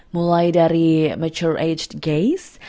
mulai dari mature aged gays